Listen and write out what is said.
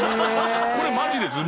これマジです！